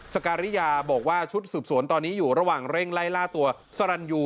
สการิยาบอกว่าชุดสืบสวนตอนนี้อยู่ระหว่างเร่งไล่ล่าตัวสรรยู